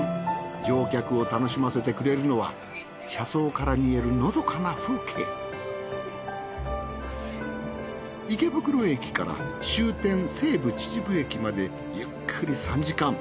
乗客を楽しませてくれるのは車窓から見えるのどかな風景池袋駅から終点西武秩父駅までゆっくり３時間。